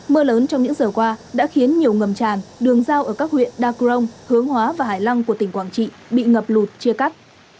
mưa lớn trong những giờ qua đã khiến nhiều ngầm tràn đường giao ở các huyện đa crong hướng hóa và hải lăng của tỉnh quảng trị bị ngập lụt chia cắt